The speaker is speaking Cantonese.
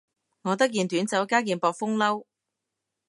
我得件短袖加件薄風褸